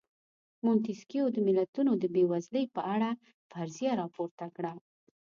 مونتیسکیو د ملتونو د بېوزلۍ په اړه فرضیه راپورته کړه.